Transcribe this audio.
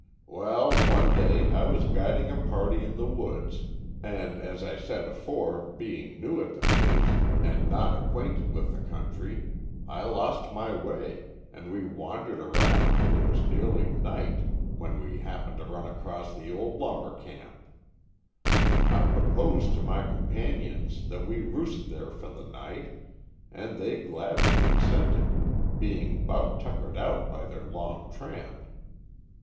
46 Storks from the Adirondacks. Wal, one day I was guiding a party in the woods and, as I sed afore being new at the biz, and not acquainted with the country, I lost my way and we wandered around till it was nearly night, when we happened to run across the old lumber camp. I proposed to my companions thet we roost there for the night, and they gladly consented, being 'bout tuck ered out by their long tramp.